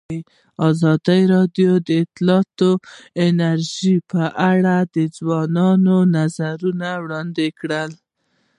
ازادي راډیو د اطلاعاتی تکنالوژي په اړه د ځوانانو نظریات وړاندې کړي.